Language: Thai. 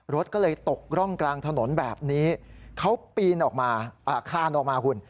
รถก็เลยตกร่องกลางถนนแบบนี้เขาปีนออกมาคลานออกมาคุณ